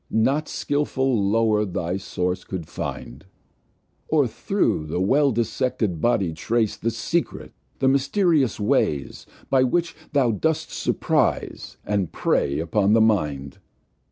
Not skilful Lower thy Source cou'd find, Or thro' the well dissected Body trace The secret, the mysterious ways, By which thou dost surprize, and prey upon the Mind.